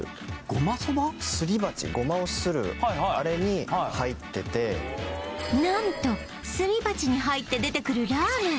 すり鉢胡麻をするあれに入ってて何とすり鉢に入って出てくるラーメン